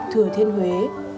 thừa thiên huế